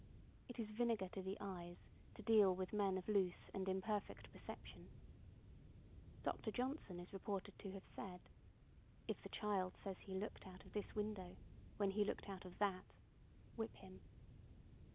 It is vinegar to the eyes to deal with men of loose and imperfect perception. Dr. Johnson is reported to have said,—"If the child says he looked out of this window, when he looked out of that,—whip him."